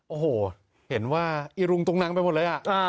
โอ้โหเห็นว่าอีรุงตุงนังไปหมดเลย